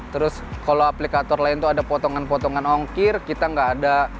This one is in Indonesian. terus kalau aplikator lain tuh ada potongan potongan ongkir kita nggak ada